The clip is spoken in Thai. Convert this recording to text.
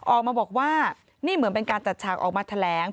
ออกมาบอกว่านี่เหมือนเป็นการจัดฉากออกมาแถลง